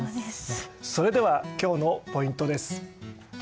それでは今日のポイントです。